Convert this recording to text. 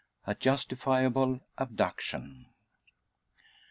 A JUSTIFIABLE ABDUCTION.